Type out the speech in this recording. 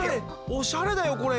おしゃれだよこれ！